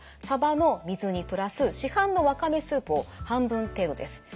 さばの水煮プラス市販のわかめスープを半分程度です。